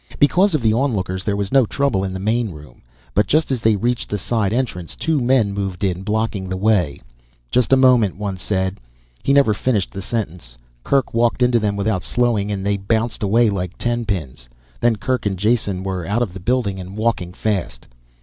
Because of the onlookers there was no trouble in the main room, but just as they reached the side entrance two men moved in, blocking the way. "Just a moment " one said. He never finished the sentence. Kerk walked into them without slowing and they bounced away like tenpins. Then Kerk and Jason were out of the building and walking fast.